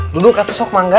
duduk kata sok mangga